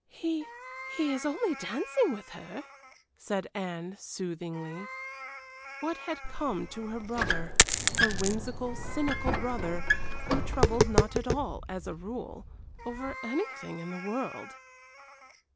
"He he is only dancing with her," said Anne, soothingly. What had come to her brother, her whimsical, cynical brother, who troubled not at all, as a rule, over anything in the world?